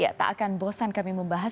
ya tak akan bosan kami membahas